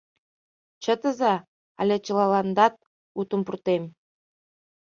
Чытыза, але чылаландат утым пуртем.